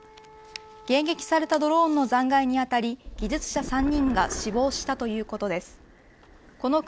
迎撃されたドローンの残骸に当たり技術者３人が死亡したということです。